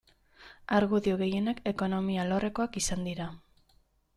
Argudio gehienak ekonomia alorrekoak izan dira.